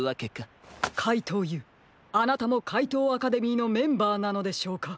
かいとうＵあなたもかいとうアカデミーのメンバーなのでしょうか？